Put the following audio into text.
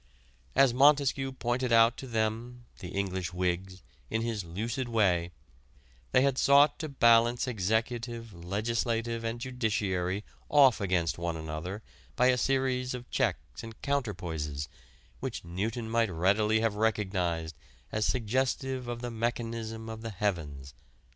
As Montesquieu pointed out to them (the English Whigs) in his lucid way, they had sought to balance executive, legislative and judiciary off against one another by a series of checks and counterpoises, which Newton might readily have recognized as suggestive of the mechanism of the heavens."